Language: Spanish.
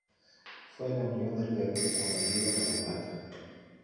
Fue la unión del Perú con el río de la Plata.